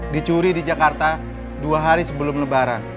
dicuri di jakarta dua hari sebelum lebaran